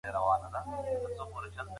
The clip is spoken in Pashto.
که لار وتړل شي، بیرته ګرځو.